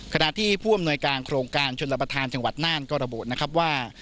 ขณะที่ผู้อำนวยการโครงการชนรับประทานจังหวัดน่านก็ระบุนะครับว่า